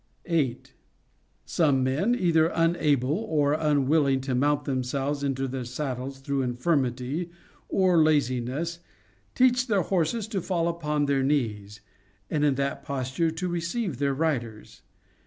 8. Some men, either unable or unwilling to mount themselves into their saddles through infirmity or laziness, teach their horses to fall upon their knees, and in that posture to receive their riders.